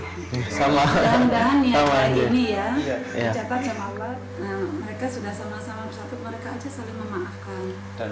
dan dhani yang kayak gini ya bercakap sama allah mereka sudah sama sama bersatu mereka aja selalu memaafkan